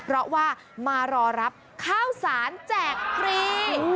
เพราะว่ามารอรับข้าวสารแจกฟรี